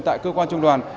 tại cơ quan trung đoàn